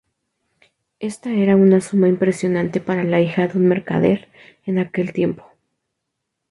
Esta era una suma impresionante para la hija de un mercader en aquel tiempo.